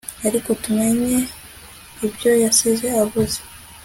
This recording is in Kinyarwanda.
aliko tumenye ibyo yasize avuze